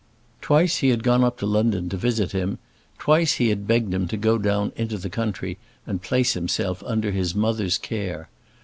Twice he had gone up to London to visit him; twice he had begged him to go down into the country and place himself under his mother's care.